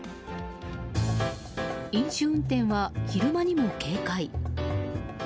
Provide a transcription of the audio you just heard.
飲酒運転は昼間にも警戒。